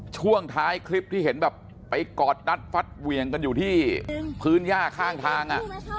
ช่วงท้ายคลิปที่เห็นแบบไปกอดรัดฟัดเหวี่ยงกันอยู่ที่พื้นย่าข้างทาง